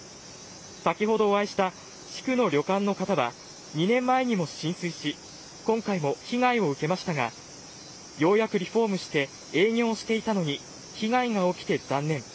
先ほどお会いした旅館の方は２年前にも浸水し今回も被害を受けましたがようやくリフォームして営業していたのに被害が起きて残念。